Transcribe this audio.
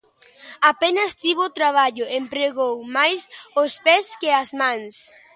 Apenas tivo traballo e empregou máis os pés que as mans.